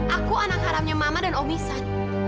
aku anak haramnya mama dan om isan